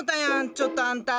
ちょっとあんた。